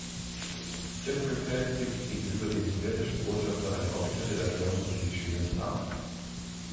Jeffrey Pelt gibt gegenüber dem sowjetischen Botschafter eine offizielle Erklärung zu den Geschehnissen ab.